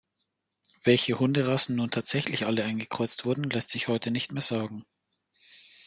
Welche Hunderassen nun tatsächlich alle eingekreuzt wurden, lässt sich heute nicht mehr sagen.